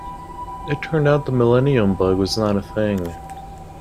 It turned out the millennium bug was not a thing.